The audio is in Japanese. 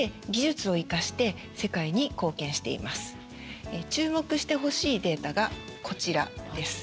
実は注目してほしいデータがこちらです。